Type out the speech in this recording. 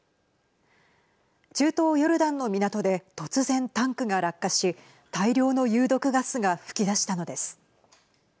中東ヨルダンの港で突然、タンクが落下し大量の有毒ガスが噴き出したのです。